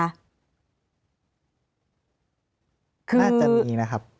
น่าจะมีนะครับ